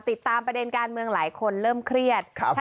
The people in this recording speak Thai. ติดตามประเด็นการเมืองหลายคนเริ่มเครียด